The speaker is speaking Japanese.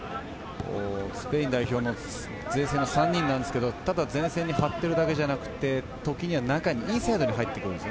スペイン代表の前線の３人、前線に張っているだけではなくて、時にはインサイドに入ってくるんです。